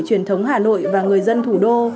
truyền thống hà nội và người dân thủ đô